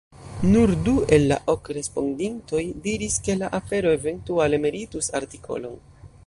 Nur du el la ok respondintoj diris, ke la afero eventuale meritus artikolon.